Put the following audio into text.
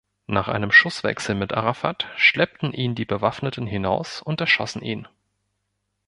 Nach einem Schusswechsel mit Arafat schleppten ihn die Bewaffneten hinaus und erschossen ihn.